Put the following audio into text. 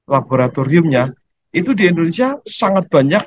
laboratoriumnya itu di indonesia sangat banyak